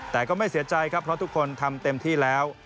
แต่ก็ไม่เสียใจครับเพราะทุกคนทำเต็มที่แล้ว